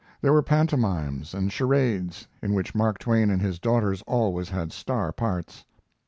There were pantomimes and charades, in which Mark Twain and his daughters always had star parts.